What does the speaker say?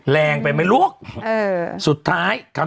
แรงไปไหมลูก